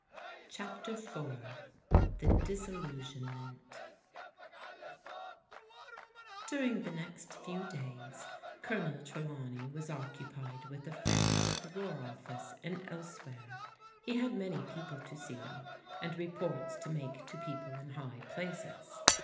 CHAPTER IV THE DISILLUSIONMENT DURING the next few days, Colonel Trelawi was occupied with affairs at the War Office ; elsewhere. He had many people to see, and ports to make to people in high places.